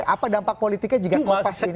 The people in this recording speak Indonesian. apa dampak politiknya jika kompas ini